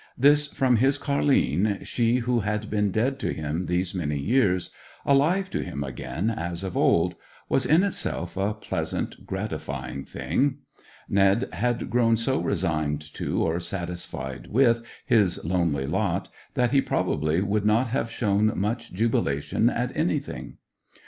This from his Car'line, she who had been dead to him these many years, alive to him again as of old, was in itself a pleasant, gratifying thing. Ned had grown so resigned to, or satisfied with, his lonely lot, that he probably would not have shown much jubilation at anything.